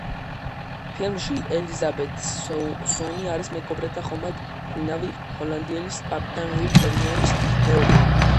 ფილმში ელიზაბეთ სუონი არის მეკობრეთა ხომალდ „მფრინავი ჰოლანდიელის“ კაპიტან უილ ტერნერის მეუღლე.